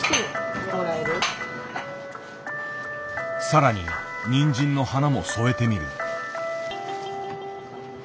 更ににんじんの花も添えてみる。